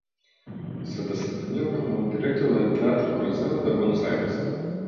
Se desempeñó como director del Teatro Coliseo de Buenos Aires.